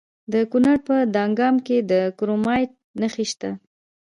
د کونړ په دانګام کې د کرومایټ نښې شته.